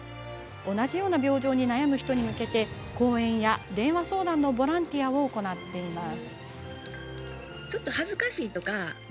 同じような病状に悩む人に向けて講演や電話相談のボランティアを行っています。